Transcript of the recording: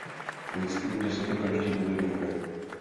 Myslím, že si to každý uvědomuje.